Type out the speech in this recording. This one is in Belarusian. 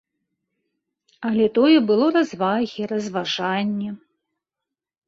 Але тое было развагі, разважанні.